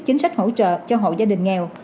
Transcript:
chính sách hỗ trợ cho hộ gia đình nghèo